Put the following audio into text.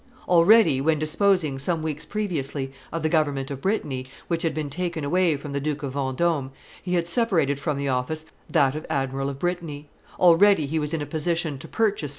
Already, when disposing, some weeks previously, of the government of Brittany, which had been taken away from the Duke of Vendome, he had separated from the office that of admiral of Brittany; already he was in a position to purchase from M.